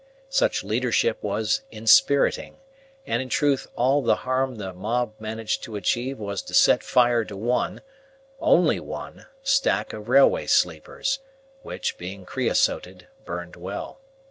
Such leadership was inspiriting, and in truth all the harm the mob managed to achieve was to set fire to one only one stack of railway sleepers, which, being creosoted, burned well.